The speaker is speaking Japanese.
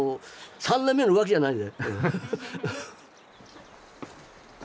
「３年目の浮気」じゃないで。